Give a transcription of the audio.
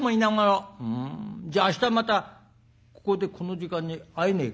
「うんじゃあ明日またここでこの時間に会えねえか？」。